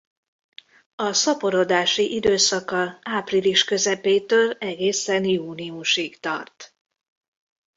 A szaporodási időszaka április közepétől egészen júniusig tart.